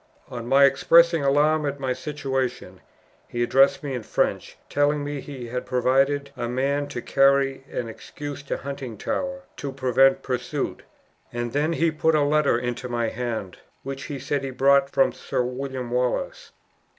On my expressing alarm at my situation, he addressed me in French, telling me he had provided a man to carry an excuse to Huntingtower, to prevent pursuit; and then he put a letter into my hand, which, he said, he brought from Sir William Wallace.